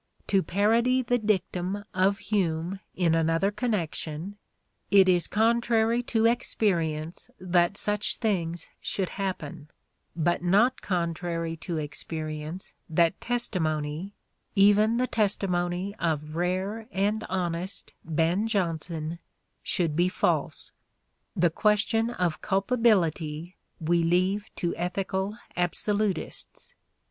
To parody the dictum of Hume in another connection, it is contrary to experience that such things should happen, but not contrary to experience that testimony, even the testimony of rare and honest Ben Jonson, should be false. The question of culpability we leave to ethical absolutists.